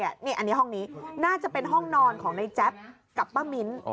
อันนี้ห้องนี้น่าจะเป็นห้องนอนของในแจ๊บกับป้ามิ้น